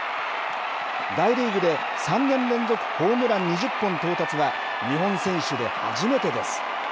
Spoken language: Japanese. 大リーグで３年連続ホームラン２０本到達は、日本選手で初めてです。